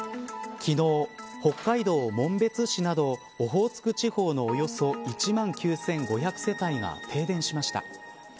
昨日、北海道紋別市などオホーツク地方のおよそ１万９５００世帯が停電しました。